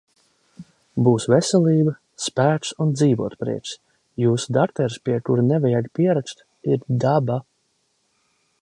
Būs veselība, spēks un dzīvotprieks. Jūsu dakteris, pie kura nevajag pierakstu, ir Daba.